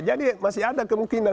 jadi masih ada kemungkinan